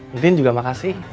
entin juga makasih